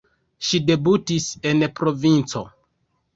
Ŝi debutis en provinco.